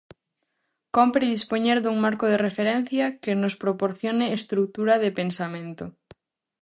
Cómpre dispoñer dun marco de referencia que nos proporcione estrutura de pensamento.